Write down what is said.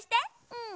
うん。